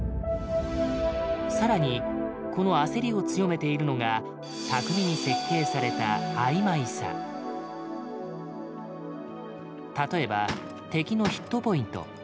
更にこの焦りを強めているのが巧みに設計された例えば敵のヒットポイント。